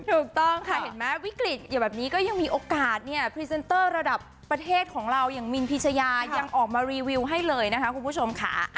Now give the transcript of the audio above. ถูกต้องค่ะเห็นไหมวิกฤตอย่างแบบนี้ก็ยังมีโอกาสเนี่ยพรีเซนเตอร์ระดับประเทศของเราอย่างมินพิชยายังออกมารีวิวให้เลยนะคะคุณผู้ชมค่ะ